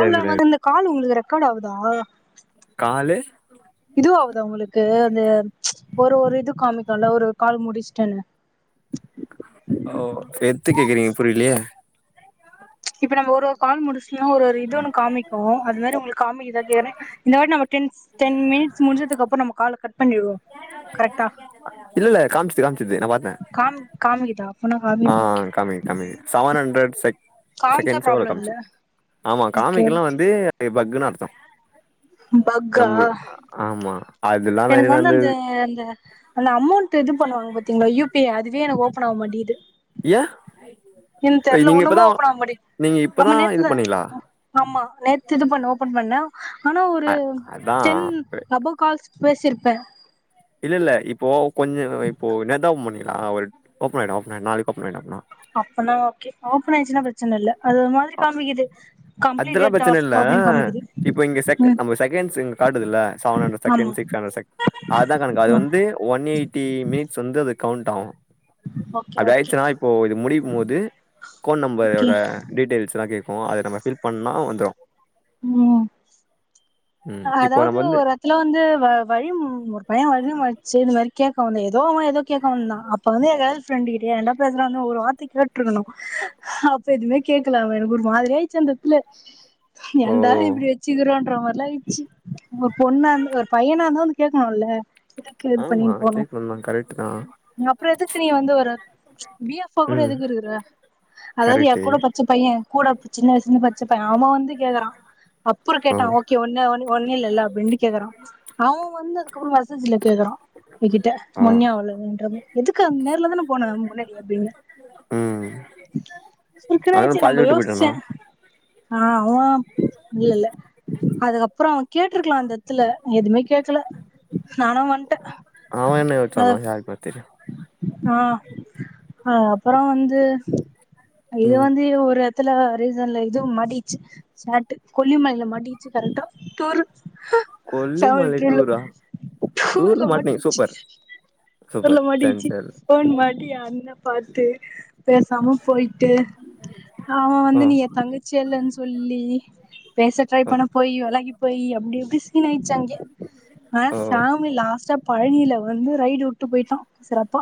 ஆல்ல right வடுனு call உங்களுக்கு ரெக்கார்ட ஆகுதா காலு இது ஆவுதா உங்களுக்கு அந்த ச் ஒரு ஒரு இது காமி அதா ஒரு கால் முடிச்சுட்டன்னு ஓ எத்து கேக்குறீங்க புரிலியே இப்ப நம்ம ஒரு ஒரு கால் முடிச் ஒரு இது ஒன்னு காமிக்கு அது மாரி உங்களுக்கு காமிக்தா இல்லயானே இனிமெட்டு நம்ம டென் மினி டென் மினிட்ஸ் முஞ்சதுக்குப்ற நம்ம கால கட் பண்ணிருவோ இல்லல்ல காம்ச்சுது காம்ச்சுது நா பாத்தே காம் காமிக்குதா அப்பனா ஆ காமிக்குதா ஓகே காமி காமிக்குது செவன் ஹண்டரட் செக் காமிச்சா செகன்சோட ப்ராப்ளம் இல்ல காமிச்சுது ஆமா ஓகே காமிக்கலன்னா எல்லா வந்து பக்குன்ன [inaudible] பக்கா நம்முல் ஆமா அதெல்லாம் எனக்கு நெறைய வந்து அந்த நடந்தது அந்த அந்த அமௌண்டட் இது பண்ணுவாங்க பாத்தீங்களா யூ ப்பே அதுவே எனக்கு ஓப்பன் ஆக மாட்டிது ஏ என் தெரில ஒண்ணுமு ஓபன் ஆக மாட்டிது நீங்க ஆம இப்பதான் இது நேத்து பண்ணீங்களா ஆமா நேத்து இது பண்ணே ஓபன் பண்ண ஆனா ஒரு அ அதான் டென் தபோ கால்ஸ் பேசிற்ப்பே இல்ல இல்ல இப்போ கொஞ்சம் இப்போ லேட்டா அ முடியும் ஓப்பன் ஆயிடும் ஓப்பன் ஆயிடும் நாளைக்கு ஓப்பன் ஆயிடும் அப்பனா ஓகே ஓப்பனாய்டுச்சுன்னா பிரச்சனை இல்ல அது ஒரு மாதிரி காமிக்குது அதெல்லாம் கம்ப்ளீட்டட் பிரச்சனை இல்ல டாஸ்க் அப்டின்னு காமிக்குது இப்ப இங்க ம் நம்ம செகண்ட்ஸ்ங்க காட்டுதுலா செவன் ஆமா கண்ரட் சிக்ஸ் ஹண்டர அதுதான் கணக்கு அது ம் வந்து ஒன் எயிட்டி மினிட்ஸ் வந்து அது கவுண்டாவும் ஓகே அப்படி ஓகே ஆயிடுச்சுன்னா இப்போ இது முடியபோது கோட் ஓகே நம்பரோட கேக்கும் அதை நம்ம பில் பண்ணா வந்துரும் உம் ம் இப்போ அதாவது நம்ம வந்து ஒரு இடத்துல வந்து வழி ஒரு பையன் வழி மாடுச்சு இ மாதிரி கேக்கு வந்து ஏதோ ஏதோ கேட்க வந்தான் அப்ப வந்து ப்ரண்டு கிட்டங்களா பேசுறா ஒரு வார்த்தை கேட்டு இருக்கணும் அப்ப எதுவுமே கேடக்கலா அவ எனக்கெரு மாதிரியாயச்சு அந்தயடத்துல ஓ ஏன்டா இப்படி வச்சுக்கிறோன்ற மாதிரி லாயிடுச்சு ஒரு பொண்ணா ஒரு பையனந்தாவந்து கேக்கணும்ல ஹா.... எதுக்கு இது பண்ணி ஆமா போனும் கேக்கணுந்தா கரெக்ட் தா அப்புறம் எதுக்கு நீ வந்து ஒரு பிஎப் ஆ கூட ம் எதுக்கு இருக்குற அதாவது என் கரெக்ட்டு கூட படிச்சபையன் கூட சின்ன வயசுந்து படிச்சபையன் அவ வந்து அப்பரோ ஓ கேட்டான் ஓகே ஒன்ன ஒன்னே இல்ல அப்படின்னு கேக்குறான் அவன் வந்து அதுக்கப்புறம் மசே கேக்குறான் என்கிட்ட ஆ மொன்னியா எதுக்கு அந்த நேர்ல தானே போன முன்னாடி ம் அதா அப்படனுச்ச பாதில நம்ம விட்டு யோசிச்ச போயிட்டானா ஆஹ இல்ல இல்ல அதுக்கப்புறம் அவன் கேட்டுருக்கலாம் அந்த இத்துல எதுவுமே கேக் கேக்கல நான வந்துட்டேன் அவ என்ன அ யோசிச்சானோ யாருக்குமே தெரியு ஆஹ அஹ அப்பரோம் வந்து இது ம் வந்து இது ஒரு இதல ரீசன்ல இது மடி சாட்டு கொல்லிமலை மாட்டிச்சு கரெக்டா ஃபேமிலி கொல்லிமலை டூர்ல டூரா டூர்ல மாட்டனீங்க சூப்பர் சூப்பர் சான்சே இல்ல அப்டிய அண்ண பாத்து பேசாம போயிட்டு அவன் ஆ வந்து நீ என் தங்கச்சி ய பேச ட்ரை ஆ பண்ண போயி விலகி போய் அப்படி இப்படி சீன் ஆயிடுச்சு அங்கேயே ஆ பேஃமிலி லாஸ்ட் ல பழனி ல வந்து ரைடு வுட்டு போயிட்டான் பா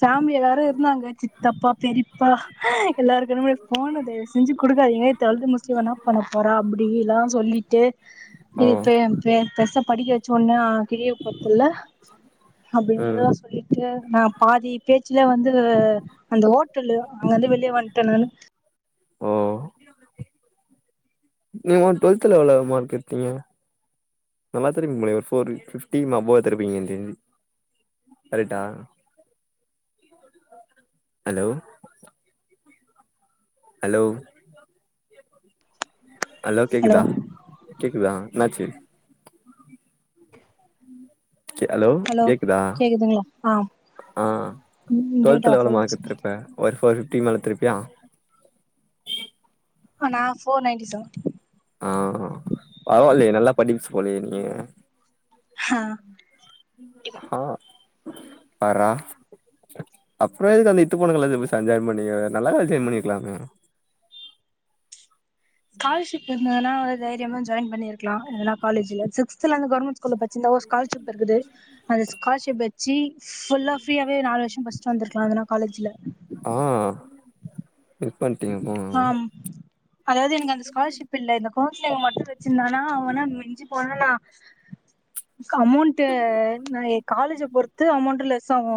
சாமி எல்லாரு இருந்தாங்க சித் த்தப்பா பெரிப்பா எல்லாருக்குமே போன தயவு செஞ்சு கொடுக்காதீங்க தெழ்து ச்சுகன என்னாப் பண்ண போறா அப்டி எல்லா சொல்லிட்டு ஆ இ பே என் பேச வெசப் படிக்க வெச்சுன்னா கியேப் பத்துல ம் அப்டியில்லா சொல்லிட்டு நா பாதி கேச்சுல வந்து ட்டு அந்த ஓட் கில்லே அந்து இருந்து வெளிய வேண்டே நானு ஓ நீ ஒன் டொல்த்துல எவ்ளோவு மார்க் எடுத்தீங்க நல்லா திருப்பிங்களே four fifteen [unintelligible] Creta hello hello hello கேக்குதா கேக்குதா இன்னாச்சு ஹலோ கேக்குதா கேக்குதுங்ளா ஆ ஆ ம் டேட்டா டொல்த்துல ஆஃப் எவ்ளோ மார்க் ஆயிடுச்சு எத்துருப்ப ஒர்வ் ஒரு ஃபிஃப்டீன் எடுத்துருப்பீயா நா ஃபோர் நைன்டி செவன்டி ஆ பரவாலியே நல்லா படிப்பிஸ் போலியே நீங்க அஹா ஆ பார்ரா அப்புறோ இதுக்கு அந்த இத்து போன காலேஜ்ல சா ஜாயின் பண்ணிங்க நல்லாவே எஜாயின் பண்ணிருக்கலாமே கால்ஷுப்பு இருந்தன்னா தைரியமா ஜா ஜாயின் பண்ணிருக்கலா எங்குனா காலேஜ்ல சிக்ஸ்துலயிருந்து கவர்மெண்ட் ஸ் கூல்ல இப்ப சின்னவோஸ் காலர்ஷிப் இருக்குது அந்துஸ் கால்ஷுப்பு பெச்சி ஃபுல்லா ஃப்ரீவே நாலு வருஷ படிச்சு வந்தர்க்கலா எதனா காலேஜ்ல ஆ மிஸ் பண்ட்டீங்க போங்க ஆம் அதாவுது எனக்கு அந்துஸ் கால்ஷுப்பு இல்ல இந்த கூர்ப்புல இவுங்க மட்டு வெச்சிருந்தனா அவுனா மிஞ்சி போனால இதுக் அமௌண்ட்டு நா எ காலேஜ்ஜ பொறுத்து அமௌண்ட் லெஸ் ஆகு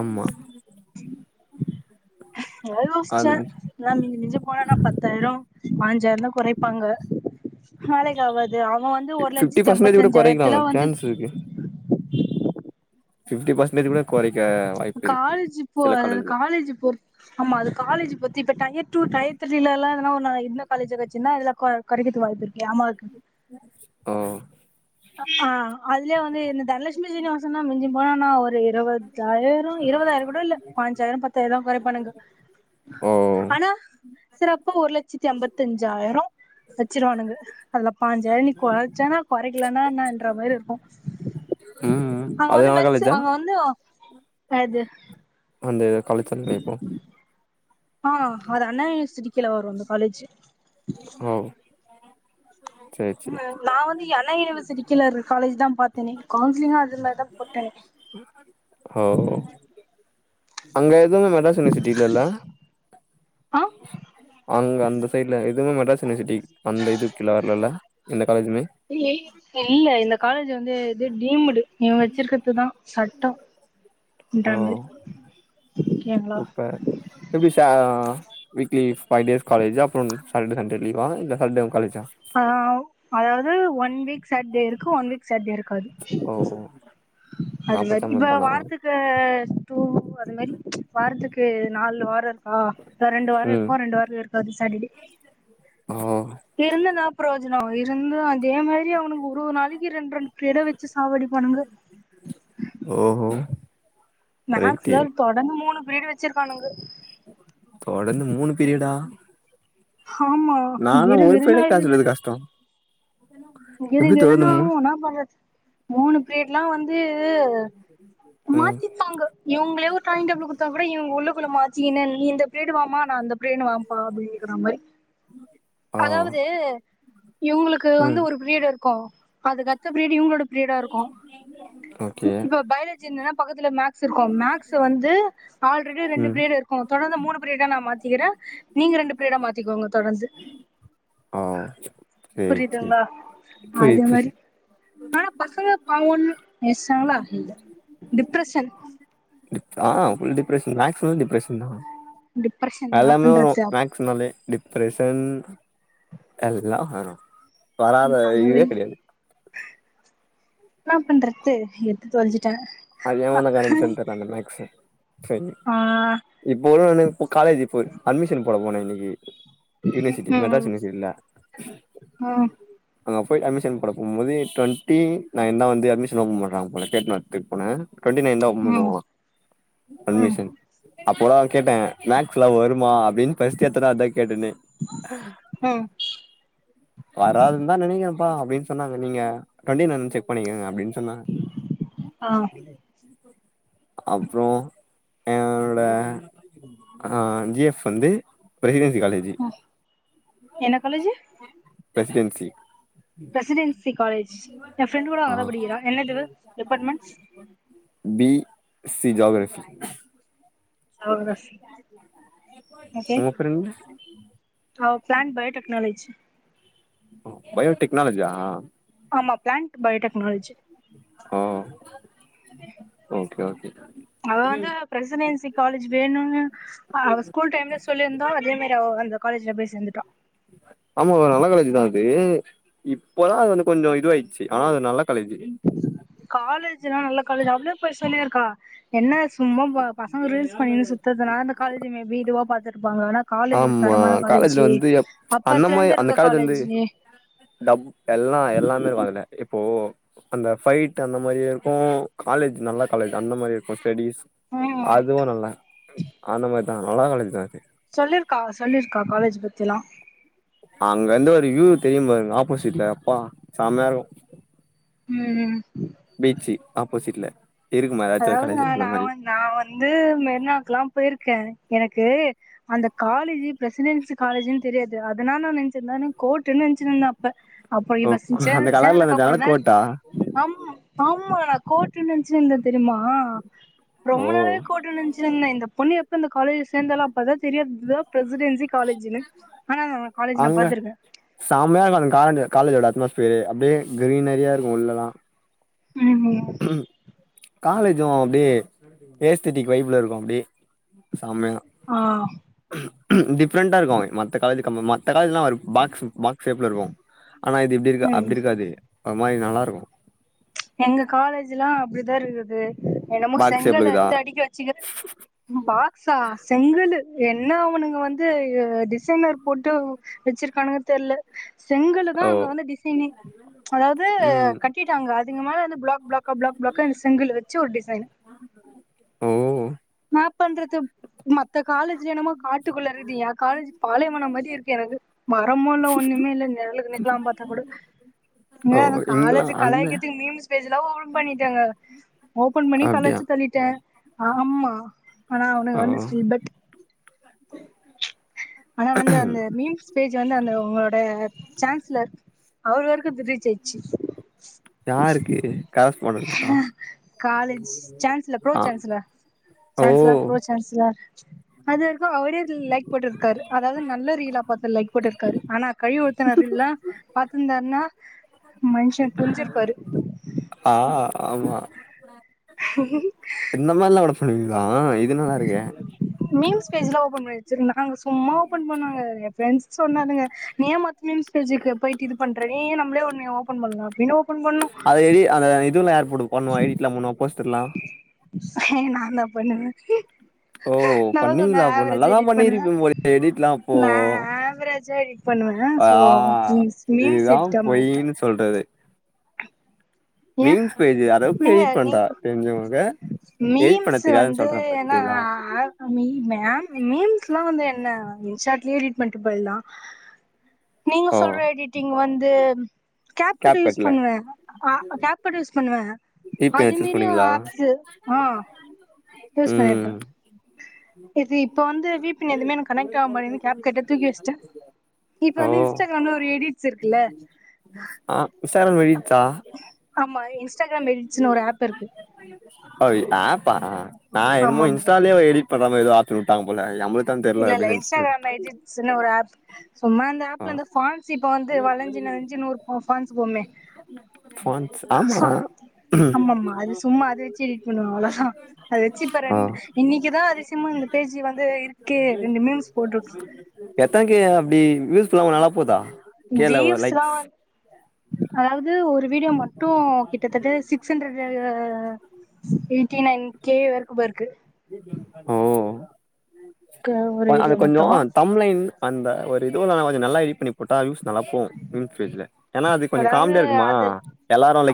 ஆமா [unintelligible] ஏ அது மிஞ்சி மிஞ்சி போனேன்னா பத்தாயிரோ பாஞ்சாயிரோ தா கொறைப்பாங்க வேலைக்காவாது து அவ வந்து ஒரு ஃபிப்டி லட்சத்தி பர்சன்டேஜ் கூட கொறைக்கலா ஐம்பத்தஞ்சாயிரத்துல வந்து சான்ஸ் இருக்கு ஃபிப்டி பர்சன்டேஜ் கூட கொறைக்க வாய்ப்பு இருக்கு காலேஜ் போ சில காலேஜ்ல காலேஜ் போருத் ஆமா அது காலேஜ் போத்தி இப்ப டயர் டூ டயர் த்ரீலல்லா அனா ஒர் நா இந்த காலேஜ்ஜ வெச்சுன்னா இதுல கொ கொறைக்கறத்துக் வாய்ப்புருக்கு ஏம்மா இக்குன்ட்டு உம் அ ஆ அதுலே வந்து இந்த தனலட்சுமி சீனிவாசன்னா மிஞ்சி போனா நா ஒரு இரவுது பத்தாயிர இருபதாயிர கூட இல்ல பாஞ்சாயிர பத்தாயிரந்தா கொறைப்பானுங்க ஓ ஆனா சிறப்பா ஒரு லட்சத்தி ஐம்பத்தஞ்சாயிரோ வெச்சிருவானுங்க அதுல பாஞ்சாயிர நீ கொறைச்சனா கொறைக் இல்லனா என்னன்ற மாரி இருக்கு ம் அவே அது வந்து நல்ல மெஸ்சு காலேஜா அங்க வந்து அ அது ஆந்தே கலெக்ஷன் ராயப்புரோ ஆ ஹர அண்ணா யுனிவர்சிட்டி கீழ வரும் அந்த காலேஜூ ஆம் நா நா வந்து எண்ணா யூனிவர்சிட்டி கீழருந் காலேஜ் தா பாத் தனே கவுன்சிலிங்கு அதுல தா போட்டனே ஹவ் அங்க இல் இதுவுமே மெட்ராஸ் யுனிவர்சிட்டி இல்லல அ அங்க அந்த சைடுல இதுவு மெட்ராஸ் யுனிவர்சிட்டி அந்த இது கீழ வர்லல இந்த [unintelligible] இல்ல இந்தக் காலேஜ் வந்து இது டீம்டு நீ வச்சிற்க்கறது தா சட்டோ ஓ உண்டான் மரி ஓகேங்ளா வீக்லீஃப் ஃபைவ் டேஸ் காலேஜு அப்றுன் சாட்டர்டே சண்டே லீவா இல்ல சண்டேவு காலேஜா அ உ அதாவது ஒன் வீக் சட்டே இருக்கும் ஒன் வீக் சட்டேருக்காது ஓ நா அது மரி படிச்ச இப்ப மாரி தானா வாரத்துக்கு டூ அது மெரி வாரத் துக்கு நாலு வாரத் ஆ இன்னு ரெண்டு வாரோ ம் இருக்கும் ரெண்டு வாரோ இருக்காது சாட்டடே ஆ இருந்து என்ன ப்ரோஜ் இத்னோ இருந்தும் அதே மாரி அவனுங்க ஒரு ஒரு நாளைக்கி ரெண் ரெண்டு பெறவச்சு சாவடிபானுங்க ஓஹோ ரைட்டு மேக்ஸ்ல தொடங்கு மூணு வீடு வச்சிருக்கானுங்க தொடர்ந்து மூணு பீரியடா ஹாமா நாலா கிறு ஒரு கிறுன்னு பீரியடே கிளாஸ் ஆய்ருது எடுக்கறது எனக்கு கஷ்டோ கிரு எப்டி கிருனு தொடர்ந்து மூணு ஆவும் என்னா பண்றத் மூணு பீரீடு லா வந்து ம் மாத்தித்தாங்க இவ்ங்ளே ஒரு டைம் டேபுள் குடுத்தா கூட இவுங் உள்ளுக்குள்ள மாச்சிகினு என் இந்த பிரீடு வாமா நா அந்த பிரீடு வாம்பா அப்டிங்ற மாரி ஆ அதாவது இவுங்ளுக்கு வந்து ம் ஒரு வீடு இருக்கும் அதுக் அடுத்த வீடு இவுங்களோடத் ஓக்கே தெரிஞ்சுந்தன பக்கத்துல மேப் மேக்ஸ் இருக்கும் மேக்ஸ் வந்து ஆல்ரெடி ரெண்டு ம் பிரீடு இருக்கும் தொடர்ந்து மூணு ப்ரீடா நா மாத்திக்கிறே நீங்க ரெண்டு ப்ரீடா மாத்திக்கோங்க தொடர்ந்து ஆ செரி செரி புரியுதுங்களா புரிது அது புரி மாரி ஆனா பசங்க. ப ஒண்ணு [unintelligible] டிப்ரசன் ஆஆ ஃபுல் டிப்ரஷன் மேக்ஸ் தா டிப்ரஷன் டிப்ரெஷன் என்னா எல்லாமே வரும் பண்றது மேக்ஸ்னாலே டிப்ரஷன் எல்லாம் வரும் வராத இதுவே கிடையாது னா பண்றது எத்து தொலைஞ்சி அதே இவந்த கணக்கு சொல்லிதர அந்த மேக்சு செரி ஆ இப்போ எனக்கு காலேஜ் இப்ப அட்மிஷன் போட போனே இன்னைக் இ யூனிவர்சிட்டி மெட்ராஸ் ம் ம் யூனிவர்சிட்டில்ல அங்க போய் அட்மிஷன் போட போம்போது டொன்டி நைன் தா வந்து அட்மிஷன் ஒப்பன் பண்றாங்க போல கேட்னுவரத்துக் பொன டோண்டி நைன் தா ஒபன் ம் பண்ணுவாங்க ம் ம் அட்மிஷன் [unintelligible] கேட்டேன் மேக்ஸ்லா வருமா அப்படின் ஃபஸ்ட் எத்தத அதா கேட்டன ம் வராதுதான் நெனைக்கற ப்ப அப்டின் சொன்னங்க நீங்க டொண்டி நை செக் பண்ணிக்கங்க அப்டின் என்னா ஆ அப்புறம் எனனோட ஆ ஜிஃப் வந்து பிரைவே காலேஜி என்ன காலேஜு பிரெசிடென்சி பிரசிடென்சி காலேஜ் என் ஃப்ரெண்ட் கூட ஆ அங்கதா படிக்கிறா என்ன டிபா departments B C geography geography okay உங்க ஃப்ரெண்ட் அவ ப்ளான் பயோடெக்னோலஜி பயோடெக்னாலஜியா ஆமா பிளான்ட் பயோடெக்னாலஜி ஓ ஓகே ஓகே அவ வந்து பிரசிடன்சி காலேஜ் வேணுன்னு அவ ஸ்கூல் டைம்ல சொல்லிருந்தா அதே மா ரி அவ அந்த காலேஜ்ல போய் சேந்துட்டா ஆமாங்க நல்ல காலேஜ்தா அது இப்போதா அது வந்து கொஞ்சோ இது ஆயிட்ச்சு ஆனா அது நல்ல காலேஜ் காலே ஜல்லா நல்ல காலேஜு அவளே போய் சொல்லி இருக்கா என்ன சும்மா ப பசங்க ரீல்ஸ் பண்ணினு சுத்தறதுனால அந்த காலேஜு மேபி இதுவா பாத்திரு ஆமா காலேஜ்ல வந்து எப் அந்த அப்பத்துல மாரி இருந்து அந்த இருக்க காலேஜ் வந்து டப் எல்லா எல்லாமே இருக்கு அதுல இப்போ அந்த ஃபைட் அந்த மாரியே இருக்கு காலேஜ் நல்ல காலேஜ்தா அந்த மாரி இருக்கு ஸ்டடிஸ் ம் அதுவு நல்ல அந்த மாதிரி தா நல்ல காலேஜ்தா அது சொல்லிருக்கா சொல்லிருக்கா காலேஜ் பத்திலா அங்க இருந்து ஒரு வியூ தெரியு பாருங்க ஆப்போசிட்ல ப்பா செமயா இருக்கு ம் பீச்சு ஆப்போசிட்ல இருக்குமா ஏதாச்சும் ஒரு அதாவது நா காலேஜ்ல அந்த நா மாரி வந் நா வந்து மெரினாக்கல்லா போயிருக்கே எனக்கு அந்த காலேஜு பிரசிடென்சி காலேஜுன்னு தெரியாது அதனால நா நெனைச்சிருந்தே நா கோர்ட்டுன்னு நெனைச்சிருந்தே அப்ப அப்புற ஓ இவ சே அந்த கலர்ல அந்த சேந்ததுக்கு ஜன்னல் அப்புறந்தா கோட்டா அம் ஆ மா கோர்ட்டுனு நெனச்சினுருந்தே தெரியுமா ஓ ரொம்ப நாளாவே கோர்ட்டுனு நெனச்சினுருந்தே இந்த பொண்ணு எப் ப இந்த காலேஜ்ல சேந்தாளோ அப்பதா தெரியு இதா பிரசிடென்சி காலேஜுனு ஆனா நா காலேஜ் நா அங்க பாத்திருக்கே பியரே அப்டியே கிரீனரியா இருக்கு உள்ளலா ம் ஹூம் காலேஜு அப்டியே ஏஸ்தட்டிக் வைப்ல இருக்கு அப்டியே செமயா ஆ டிஃப்ரெண்ட்டா இருக்கு மத்த காலேஜு கம் மத்த காலேஜ்லா ஒரு பாக்ஸ் பாக் ஸ் ஷேப்ல இருக்கு ஆனா இது இப்டி இருக்கா ம் அப்டி இருக்காது ஒரு மாரி நல்லாருக்கு எங்க காலேஜல்லா அப்டிதா இருக்குது என்னமோ பாக்ஸ் ஷேப்ல செங்கலு இருக்குதா எட்த்து அடுக்கி வச்சுக்குற ம் பாக்ஸா செங்கலு என்ன அவனுக வந்து டிசைனர் போட்டு வச்சிருக்கானுக தெர்ல செங்கல்லுதா ஓ அங்க வந்து டிசைனே அதாவது ம் கட்டிட்டாங்க அது மேலந்து ப்ளாக் ப்ளாக் க ப்ளாக் ப்ளாக்கா இந்த செங்கலு வச்சு ஒர் டிசைனு ஓ மேப் பண்றது மத்த காலேஜுல என்னமொ காட்டுக்குள்ள இருக்குது ஏ காலேஜு பாலைவனம் மாரி இருக்கு எனக்கு மரமு இல்ல ஒன்னுமே இல்ல நெழலுக்கு நிக்லாம் பாத்தா குட ஓ ஏ இந்த இங்கெல்லா காலேஜு அந்த கலாய்க்கத் து மீம்ஸ் பேஜல்லா ஓபன் பண்ணிட்டாங்க ஓபன் பண்ணி அப்டியா கலாச்சி தள்ளிட்டே ஆமா ஆனா அவனுக ஓ வந்து ஸ்ரீ பட் ஆனா வந்து அந்த மீம்ஸ் பேஜ் வந்து அந்த ஒங்கோட சான்ஸ்ல அவர் வரக்கு இது ரீச் அயிச்சி யாருக்கு கரஸ்பாண்டன்ட் இருக்கா ஹ காலேஜ் சான்சல ப்ரோ ஆ சான்சல ஓ சான்சல ப்ரோ சான்சல அதுவர்க்கு அவரே அது லை க் போட்டுருக்காரு அதாவ்து நல்ல ரீலா பாத்து லைக் போட்டுரு க்கரு ஆனா கழுவி ஊத்துனதில்லா பாத்துந்தார்னா மன்ஷ புர்ஞ்சிரு ஆ ஆமா இந்த மார்லா [unintelligible] மீம்ஸ் பேஜுல்லா ஓபன் பண்ணி வச்சிரு நாங்க சும்மா ஓபன் பண்ணோங்க எ ஃப்ரெண்ட்ஸு சொன்னானுங்க நி ஏம்மா மீம்ஸ் பேஜுக்கு போயிட்டு இது பண்ற [unintelligible] நம்ளே ஒன்னு ஓ பன் பண்லா வினோ அத எடி அந்த இதுல யார் புடு பண்ணுவா எடிட்லா பண்ணுவா போஸ்டர்லா ஹே நாந்தா பண்ணுவே ஓ நா தா சொன்னே பண்ணீங்களா அப்போ ஆவரேஜ் நல்லாதா எடிட் பண்ணுவே பண்ணிருப்பிங்போலயே எடிட்லா அப்போ ஜா எடிட் பண்ணுவே ஆ சோ மீம்ஸ் மீம்ஸ் இதுதா எடிட்டா மாட்டே பொய்யினு சொல்றது ஏ மீம்ஸ் பேஜு அதாவ்து ஏங்க எடிட் நீ பண்றா தெரிஞ்சவ்ங்கள்க்கு எடிட் பண்ண மீம்ஸ் தெரியாதுன் வந்து சொல்ற ஏன்னா பாத்தீங்களா மீ மேம் மீம்ஸ்லா வந்து என்ன இன்ஷாட்லே எடிட் பண்ட்டு போயில்லா நீங்க ஓ சொல்ற எடிட்டிங் வந்து கேப் கட்டு யூஸ் பண்ணுவே அ கேப்பிட்டல்ஸ் பண்ணுவே இப்பயா அது சூஸ் மேரி பண்ணீங்களா ஆப்ஸ் ஆ யூஸ் ம் பண்ணிருக்குரே இது இப்ப வந்து வி பி ன் எதுவுமே கனெக்ட் ஆக மாட்டிகுதுனு கேப் கட்ட தூக்கி வச்சுடே இப்ப ஓ வந்து இன்ஸ்டாகிராம்ல ஒரு எடிட்ஸ் இருக்குல்ல ஆ இன்ஸ்டாகிராம் [unintelligible] ஆமா இன்ஸ்டாகிராம் எடிட்ஸ்னு ஒரு ஆப் இருக்கு ஓய் ஆப்பா நா ஆமா என்னமோ ஆமா இன்ஸ்டாலே ஒரு எடிட் இப்ப தாங்க எதோ ஆஃப்ஷன் வுட்டாங்க போல நம்ளுக்கு இல்ல இல்ல இன்ஸ்டாகிராம் எடிட்ஸ்னு ஒரு ஆப் சும்மா இந்த ஆப்ல ஆ இந்த ஃபான்ஸ் இப்ப வந்து வளஞ்சு நெலிஞ்சு நூறு ஃபான்ஸ் போவுமே ஃபாண்ட்ஸ் ஆமா ஆமாமா அது சும்மா அது வச்சு எடிட் பண்ணுவ அவ்ளோதா அது வச்சு இப்ப ஆ ரெண்டு இன்னைக்குதா அது சும்மா இந்த பேஜி வந்து இருக்கு ரெண்டு மீமாஸ் போடு எத்தனைக்கு அப்டி யூஸ் இப்பலா உங் நல்லா போதா கேல லைக்ஸ் வீவ்ஸ்ரார் அதாவது ஒரு வீடியோ மட்டு கிட்டத்தட்ட six hundred eighty nine K வெர்க்குபர்கு ஓ க- ஒரு அது வீடியோ கொஞ்சோ மட்டு தம்நெய்ல் அந்த ஒரு இது நா நல்லா எடிட் பண்ண போட்டா யூஸ் நல்லா போவு ம் [unintelligible] எனா அது கொஞ்சோ அதாவது காமெடியா இருக்குமா அது எல்லாருலைக்